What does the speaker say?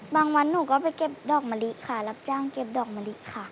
วันหนูก็ไปเก็บดอกมะลิค่ะรับจ้างเก็บดอกมะลิค่ะ